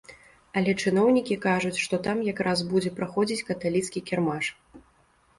Але чыноўнікі кажуць, што там якраз будзе праходзіць каталіцкі кірмаш.